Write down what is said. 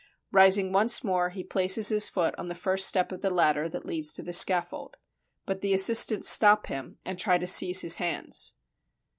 Rising once more, he places his foot on the first step of the ladder that leads to the scaffold; but the assistants stop him, and try to seize his hands.